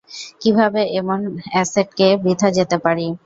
কীভাবে এমন অ্যাসেটকে বৃথা যেতে পারি?